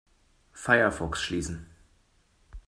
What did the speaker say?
Firefox schließen.